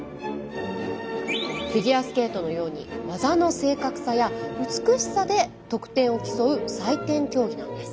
フィギュアスケートのように技の正確さや美しさで得点を競う採点競技なんです。